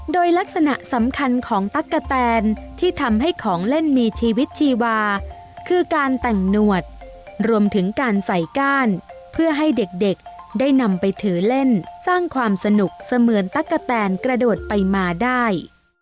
โดยลักษณะสำคัญของตั๊กกะแตนที่ทำให้ของเล่นมีชีวิตชีวาคือการแต่งหนวดรวมถึงการใส่ก้านเพื่อให้เด็กได้นำไปถือเล่นสร้างความสนุกเสมือนตั๊กกะแตนกระโดดไปมาได้